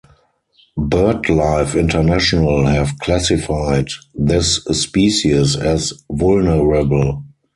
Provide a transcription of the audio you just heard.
BirdLife International have classified this species as "Vulnerable".